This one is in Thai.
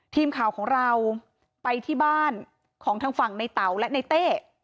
ทีมข่าวของเราไปที่บ้านของทางฝั่งในเต๋าและในเต้